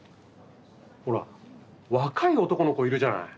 ほら若い男の子いるじゃない。